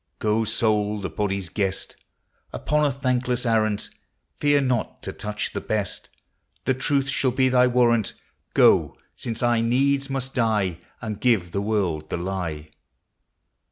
Goe, soule, the bodie's guest, Upon a thanklesse arrant ; Feare not to touche the best — The truth shall be thy warrant ; Goe, since I needs must dye, And give the world the lye.